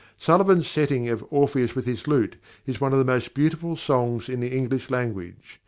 Sullivan's setting of "Orpheus with his lute" is one of the most beautiful songs in the English language.